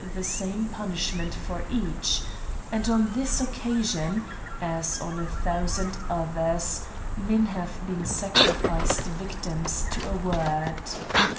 the same pui ishment for each ; and, on this occasion, as on a thousand others, men have been sacrificed victims to a word.